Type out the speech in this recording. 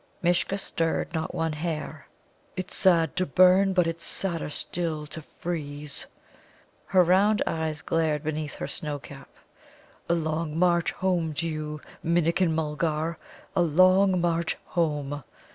Mishcha stirred not one hair. "It's sad to burn, but it's sadder still to freeze." Her round eyes glared beneath her snow cap. "A long march home to you, Minnikin mulgar! A long march home!